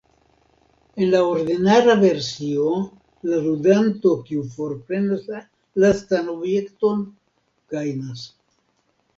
En la ordinara versio la ludanto kiu forprenas la lastan objekton gajnas.